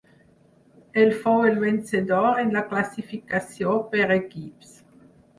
El fou el vencedor en la classificació per equips.